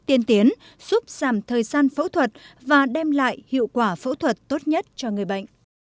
tiên tiến giúp giảm thời gian phẫu thuật và đem lại hiệu quả phẫu thuật tốt nhất cho người bệnh